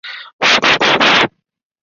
东胡人可能与夏家店上层文化相关。